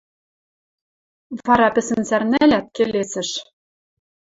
Вара пӹсӹн сӓрнӓлят, келесӹш: